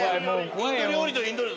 インド料理とインド料理。